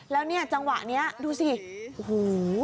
แล้วเนี่ยจังหวะนี้ดูสิโอ้โห